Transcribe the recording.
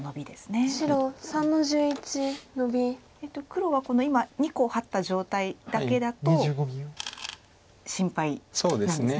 黒はこの今２個ハッた状態だけだと心配なんですね。